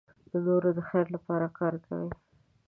د نورو د خیر لپاره کار کوي.